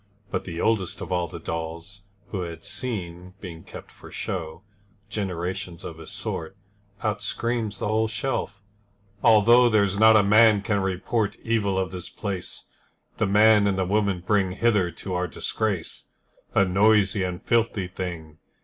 But the oldest of all the dolls Who had seen, being kept for show, Generations of his sort, Out screams the whole shelf: 'Although There's not a man can report Evil of this place, The man and the woman bring Hither to our disgrace, A noisy and filthy thing.'